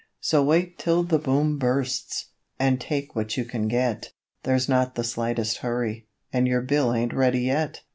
So wait till the Boom bursts! and take what you can get, 'There's not the slightest hurry, and your bill ain't ready yet.